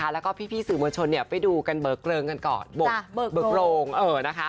และพี่สื่อมวลชนไปดูเบาะโกลงกันก่อน